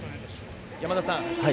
山田さん